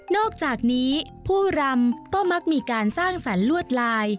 อกจากนี้ผู้รำก็มักมีการสร้างสรรค์ลวดลาย